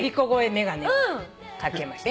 眼鏡を掛けまして。